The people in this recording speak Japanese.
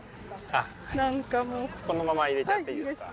あっこのまま入れちゃっていいですか？